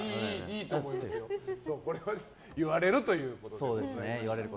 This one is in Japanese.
これは言われるということで。